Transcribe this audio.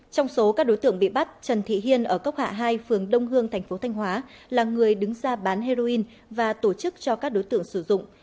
trong số các đối tượng bị bắt trần thị hiên ở cốc hạ hai phường đông hương thành phố thanh hóa là người đứng ra bán heroin và tổ chức cho các đối tượng sử dụng